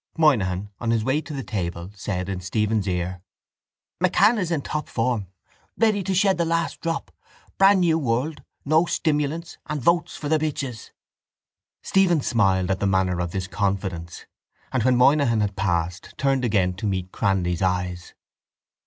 _ Moynihan, on his way to the table, said in Stephen's ear: —MacCann is in tiptop form. Ready to shed the last drop. Brand new world. No stimulants and votes for the bitches. Stephen smiled at the manner of this confidence and, when Moynihan had passed, turned again to meet Cranly's eyes.